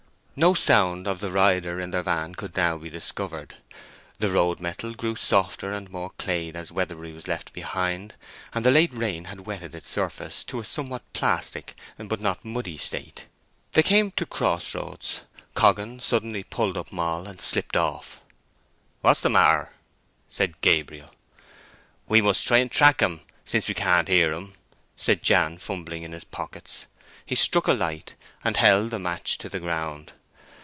No sound of the rider in their van could now be discovered. The road metal grew softer and more clayey as Weatherbury was left behind, and the late rain had wetted its surface to a somewhat plastic, but not muddy state. They came to cross roads. Coggan suddenly pulled up Moll and slipped off. "What's the matter?" said Gabriel. "We must try to track 'em, since we can't hear 'em," said Jan, fumbling in his pockets. He struck a light, and held the match to the ground.